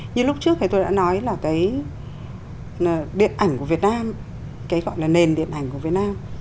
như lúc trước thì tôi đã nói là cái điện ảnh của việt nam cái gọi là nền điện ảnh của việt nam